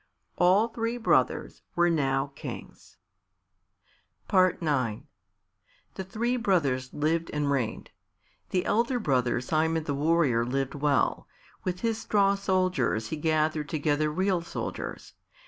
All three brothers were now kings. IX The three brothers lived and reigned. The elder brother Simon the Warrior lived well. With his straw soldiers he gathered together real soldiers.